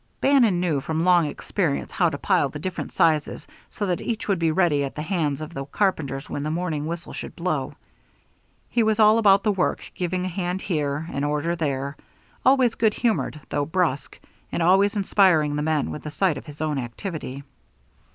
Bannon knew from long experience how to pile the different sizes so that each would be ready at the hands of the carpenters when the morning whistle should blow. He was all about the work, giving a hand here, an order there, always good humored, though brusque, and always inspiring the men with the sight of his own activity.